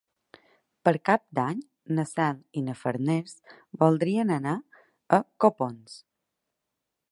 Per Cap d'Any na Cel i na Farners voldrien anar a Copons.